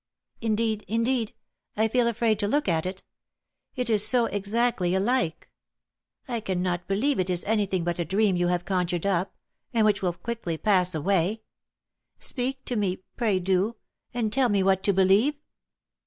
Indeed, indeed, I feel afraid to look at it, it is so exactly alike. I cannot believe it is anything but a dream you have conjured up, and which will quickly pass away. Speak to me! pray do; and tell me what to believe."